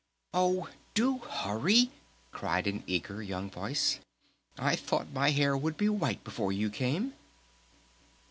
"Oh, do hurry!" cried an eager young voice. "I thought my hair would be white before you came!"